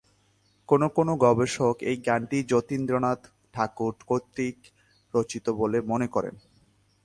কোনও কোনও গবেষক এই গানটি জ্যোতিরিন্দ্রনাথ ঠাকুর কর্তৃক রচিত বলে মনে করেন।